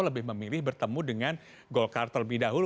lebih memilih bertemu dengan golkar terlebih dahulu